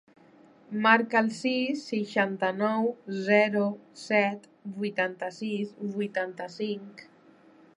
Marca el sis, seixanta-nou, zero, set, vuitanta-sis, vuitanta-cinc.